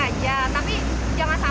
tapi jangan sampai ngeberani kita karyawan